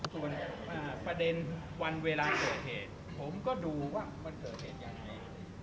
ส่วนประเด็นวันเวลาเกิดเหตุผมก็ดูว่ามันเกิดเหตุยังไง